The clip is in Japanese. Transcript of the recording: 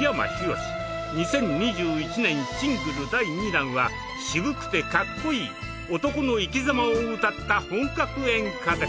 ２０２１年シングル第２弾は渋くてかっこいい男の生きざまを歌った本格演歌です。